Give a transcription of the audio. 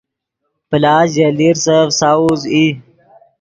پلاس ژے لیرسف ساؤز ای